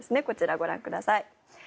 こちら、ご覧ください。